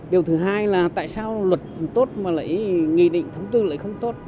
điều thứ hai là tại sao luật tốt mà lại nghị định thông tư lại không tốt